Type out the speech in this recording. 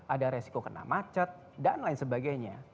ada resiko kena macet dan lain sebagainya